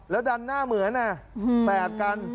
แล้วดันหน้าเหมือนแฝดกัน